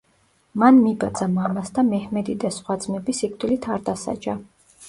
მან მიბაძა მამას და მეჰმედი და სხვა ძმები სიკვდილით არ დასაჯა.